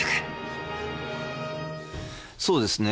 そうですね。